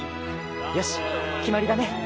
よし決まりだね。